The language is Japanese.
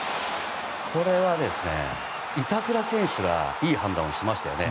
これは板倉選手がいい判断をしましたよね。